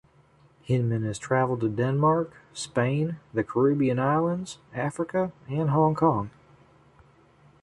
Hinman has travelled to Denmark, Spain, the Caribbean Islands, Africa and Hong Kong.